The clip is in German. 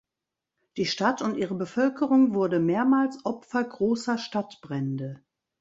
Die Stadt und ihre Bevölkerung wurde mehrmals Opfer großer Stadtbrände.